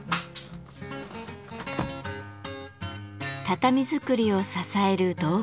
畳作りを支える道具たち。